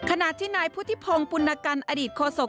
ขณะที่นายพุทธิพงศ์ปุณกันอดีตโฆษก